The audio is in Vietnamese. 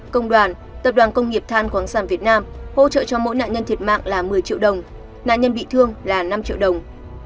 công đoàn tập đoàn công nghiệp than khoáng sản việt nam hỗ trợ cho mỗi nạn nhân thiệt mạng là một mươi triệu đồng nạn nhân bị thương là năm triệu đồng